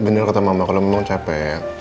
bener kata mama kalo memang capek